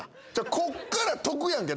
こっから得やんけ。